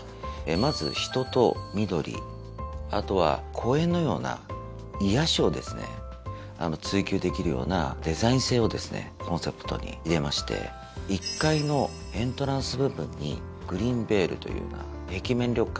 まず人と緑あとは公園のような癒やしをですね追求できるようなデザイン性をですねコンセプトに入れまして１階のエントランス部分に。